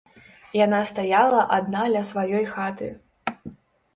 Яна стаяла адна ля сваёй хаты.